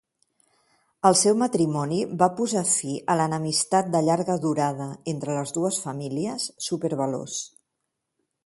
El seu matrimoni va posar fi a l'enemistat de llarga durada entre les dues famílies súper-veloç.